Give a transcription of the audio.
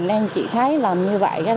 nên chỉ thấy làm như vậy